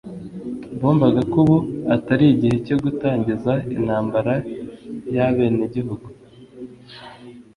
bumvaga ko ubu atari igihe cyo gutangiza intambara y'abenegihugu